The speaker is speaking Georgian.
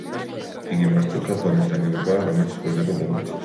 იგი მართკუთხა ფორმის ნაგებობაა, რომელიც სრულდება გუმბათით.